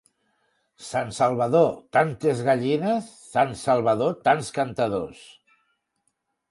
Sant Salvador, tantes gallines; sant Salvador, tants cantadors.